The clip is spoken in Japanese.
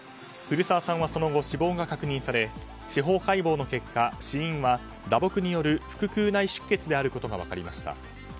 古澤さんはその後死亡が確認され司法解剖の結果死因は打撲による腹腔内出血によることが分かりました。